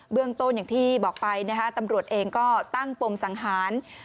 เรื่องต้นอย่างที่บอกไปนะฮะตำรวจเองก็ตั้งปมสังหาร